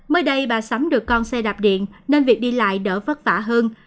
mới đây bà sắm được con xe đạp điện nên việc đi lại đỡ vất vả hơn